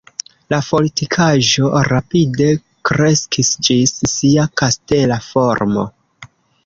La fortikaĵo rapide kreskis ĝis sia kastela formo.